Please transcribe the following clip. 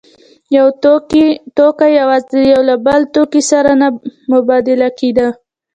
یو توکی یوازې له یو بل توکي سره نه مبادله کېده